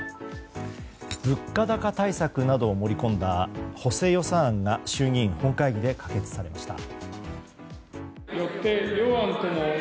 物価高対策などを盛り込んだ補正予算案が衆議院本会議で可決されました。